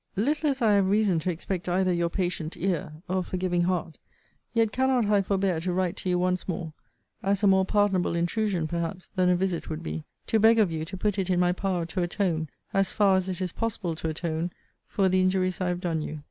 Little as I have reason to expect either your patient ear, or forgiving heart, yet cannot I forbear to write to you once more, (as a more pardonable intrusion, perhaps, than a visit would be,) to beg of you to put it in my power to atone, as far as it is possible to atone, for the injuries I have done you.